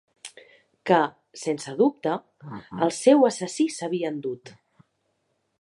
Que, sense dubte, el seu assassí s'havia endut.